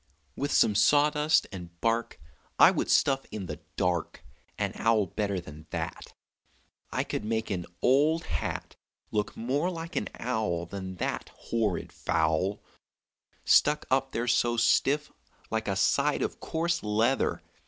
"With some sawdust and bark I would stuff in the dark An owl better than that; I could make an old hat Look more like an owl Than that horrid fowl, Stuck up there so stiff like a side of coarse leather.